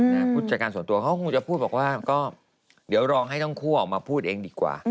ผู้จัดการส่วนตัวเขาคงจะพูดบอกว่าก็เดี๋ยวลองให้ทั้งคู่ออกมาพูดเองดีกว่า